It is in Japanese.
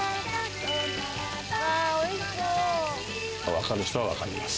わかる人は、わかります。